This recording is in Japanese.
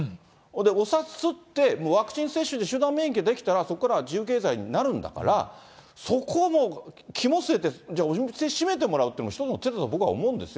お札刷って、ワクチン接種で集団免疫が出来たら、そこからは自由経済になるんだから、そこもう、肝据えて、お店閉めてもらうっていうのも、一つの手だと僕思うんですよ。